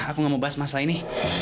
aku gak mau bahas masalah ini